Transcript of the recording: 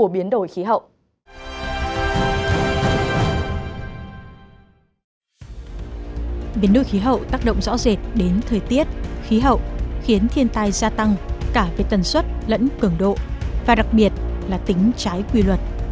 biến đổi khí hậu tác động rõ rệt đến thời tiết khí hậu khiến thiên tai gia tăng cả về tần suất lẫn cường độ và đặc biệt là tính trái quy luật